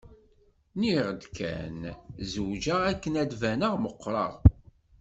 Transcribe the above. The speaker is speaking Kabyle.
Nniɣ-d kan zewǧeɣ akken ad d-baneɣ meqqreɣ.